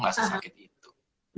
gak sesakit itu